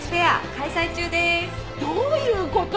・どういうこと？